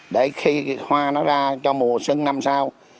để khi hoa nó ra cho mùa xuân năm sau